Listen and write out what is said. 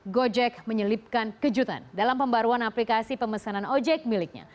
gojek menyelipkan kejutan dalam pembaruan aplikasi pemesanan ojek miliknya